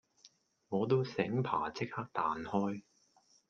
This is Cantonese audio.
我都醒爬即刻彈開